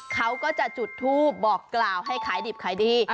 เขาก็จะจุดทูปบอกกล่าวให้ขายดิบขายดี